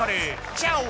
チャオ！